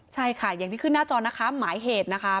ใช่ค่ะอย่างที่ขึ้นหน้าจอนะคะหมายเหตุนะคะ